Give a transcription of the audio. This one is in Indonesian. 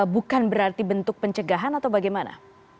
bukan berarti bentuk pencegahan atau bagaimana